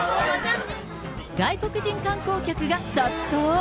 外国人観光客が殺到。